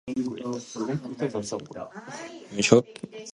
Bonds can be broken symmetrically or asymmetrically.